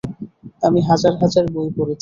আমি হাজার হাজার বই পড়েছি।